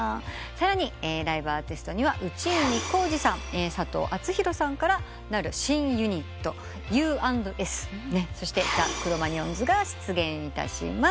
さらにライブアーティストには内海光司さん佐藤アツヒロさんからなる新ユニットＵ＆Ｓ。そしてザ・クロマニヨンズが出現いたします。